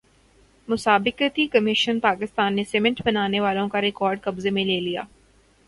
مسابقتی کمیشن پاکستان نے سیمنٹ بنانے والوں کا ریکارڈ قبضے میں لے لیا